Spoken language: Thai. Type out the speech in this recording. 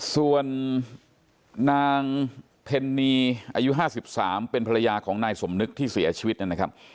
ส่วนนางเทนนีอายุห้าสิบสามเป็นภรรยาของนายสมนึกที่เสียชีวิตนั่นนะครับ